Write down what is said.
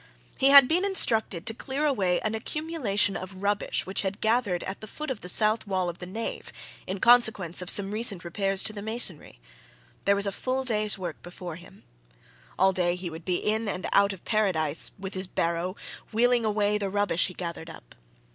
He had been instructed to clear away an accumulation of rubbish which had gathered at the foot of the south wall of the nave in consequence of some recent repairs to the masonry there was a full day's work before him. All day he would be in and out of Paradise with his barrow, wheeling away the rubbish he gathered up.